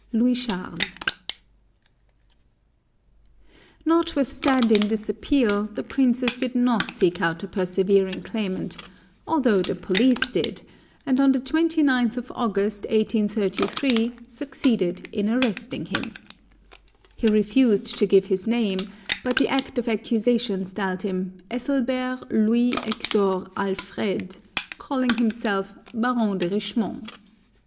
"LOUIS CHARLES." Notwithstanding this appeal, the princess did not seek out the persevering claimant, although the police did, and on the 29th August, 1833, succeeded in arresting him. He refused to give his name, but the act of accusation styled him Ethelbert Louis Hector Alfred, calling himself "Baron de Richemont."